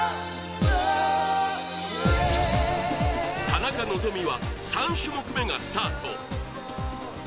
田中希実は３種目めがスタート。